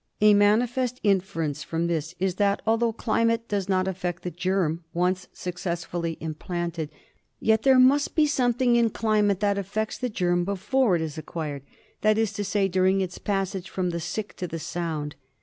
A manifest inference from this is that although climate does not affect the germ once successfully implanted, yet there must be something in climate that affects the germ before it is acquired — that is to say, during its passage from the sick to the sound.